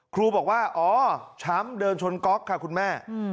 ครูบอกว่าอ๋อช้ำเดินชนก๊อกค่ะคุณแม่